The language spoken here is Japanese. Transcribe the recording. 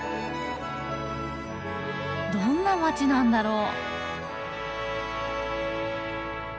どんな街なんだろう？